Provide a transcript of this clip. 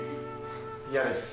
嫌です。